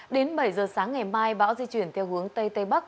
đến bảy giờ sáng ngày mai bão di chuyển theo hướng tây tây bắc